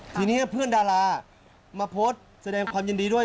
ทีนี้เพื่อนดารามาโพสต์แสดงความยินดีด้วย